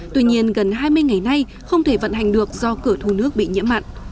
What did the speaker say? tuy nhiên gần hai mươi ngày nay không thể vận hành được do cửa thù nước bị nhiễm mặn